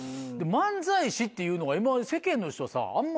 漫才師っていうのが今世間の人はさあんま。